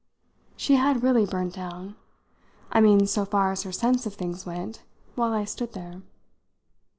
She had really burnt down I mean so far as her sense of things went while I stood there.